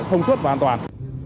thông suốt và an toàn